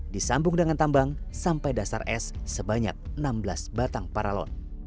disambung dengan tambang sampai dasar es sebanyak enam belas batang paralon